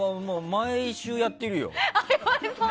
毎週やってるよ。